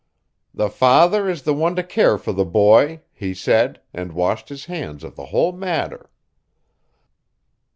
'The father is the one to care for the boy,' he said, and washed his hands of the whole matter."